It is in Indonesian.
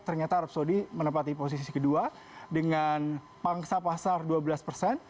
ternyata arab saudi menempati posisi kedua dengan pangsa pasar dua belas persen